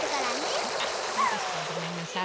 あそうでしたごめんなさい。